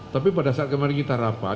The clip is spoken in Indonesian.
tapi pada saat kemarin kita rapat